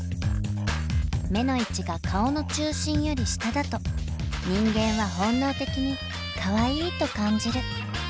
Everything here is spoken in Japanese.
目の位置が顔の中心より下だと人間は本能的にかわいいと感じる。